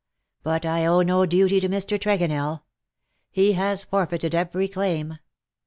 But I owe no duty to Mr. Tregonell. He has forfeited every claim.